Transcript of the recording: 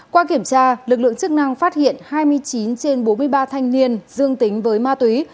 qua kiểm tra lực lượng chức năng phát hiện hai mươi chín trên bốn mươi ba thanh niên dương tính với ma túy